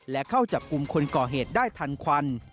และเข้าจับกลุ่มคนก่อเหตุได้ทันควัน